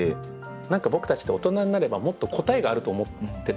何か僕たちって大人になればもっと答えがあると思ってたんですよね。